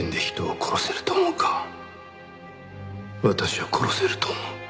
私は殺せると思う。